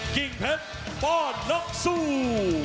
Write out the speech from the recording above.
กิ่งแพทย์บ้านนักสู้